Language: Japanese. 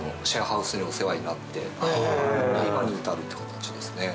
今に至るっていう形ですね。